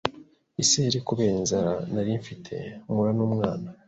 isereri kubera inzara nari mfite mpura n’umwana